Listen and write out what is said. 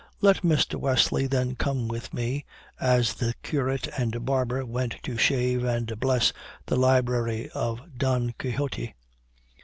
Let Mr. Wesley then come with me, as the curate and barber went to shave and bless the library of Don Quixote.